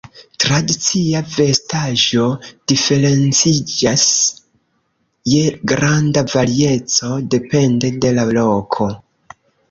Tradicia vestaĵo diferenciĝas je granda varieco depende de la loko.